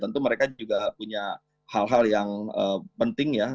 tentu mereka juga punya hal hal yang penting ya